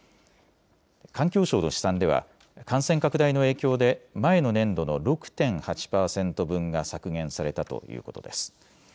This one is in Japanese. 環境省の試算では感染拡大の影響で前の年度の６．８％分が削減されたということです。